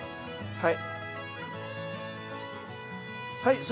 はい。